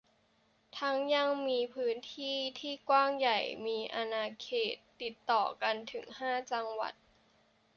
ทั้งยังมีพื้นที่ที่กว้างใหญ่มีอาณาเขตติดต่อกันถึงห้าจังหวัด